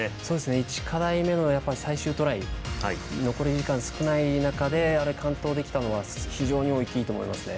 １課題目の最終トライ残り時間少ない中で完登できたのは非常に大きいと思いますね。